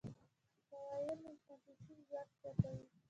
کویل مقناطیسي ځواک زیاتوي.